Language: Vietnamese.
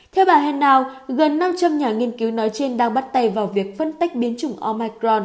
theo bà hannao gần năm trăm linh nhà nghiên cứu nói trên đang bắt tay vào việc phân tách biến chủng omicron